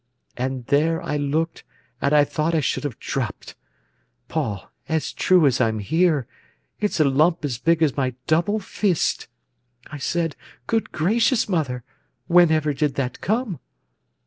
And there I looked, and I thought I should have dropped. Paul, as true as I'm here, it's a lump as big as my double fist. I said: 'Good gracious, mother, whenever did that come?